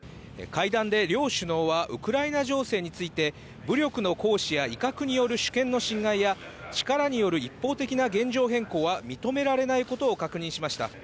会談で両首脳はウクライナ情勢について、武力の行使や威嚇による主権の侵害や、力による一方的な現状変更は認められないことを確認しました。